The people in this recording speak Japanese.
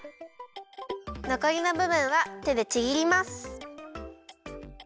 のこりのぶぶんはてでちぎります。